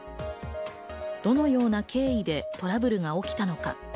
どのような経緯でトラブルが起きたのか。